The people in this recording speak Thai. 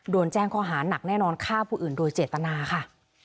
โดนแจ้งข้อหานักแน่นอนฆ่าผู้อื่นโดยเจตนาค่ะ